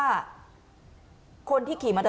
ไอ้คันกระบะ